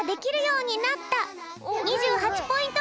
２８ポイント